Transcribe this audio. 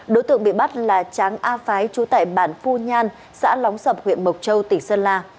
đối tượng bị bắt là tráng a phái chú tại bản phu nhan xã lóng sập huyện mộc châu tỉnh sơn la